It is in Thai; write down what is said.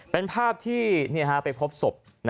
เป็นภาพที่ไปพบศพ